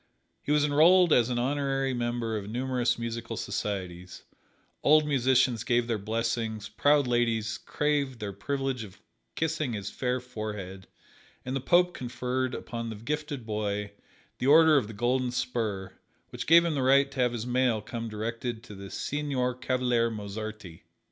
He was enrolled as an honorary member of numerous musical societies, old musicians gave their blessings, proud ladies craved the privilege of kissing his fair forehead, and the Pope conferred upon the gifted boy the Order of the Golden Spur, which gave him the right to have his mail come directed to "The Signor Cavaliere Mozarti."